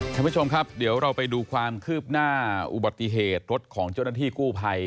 ท่านผู้ชมครับเดี๋ยวเราไปดูความคืบหน้าอุบัติเหตุรถของเจ้าหน้าที่กู้ภัย